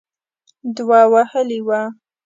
دوه وهلې وه.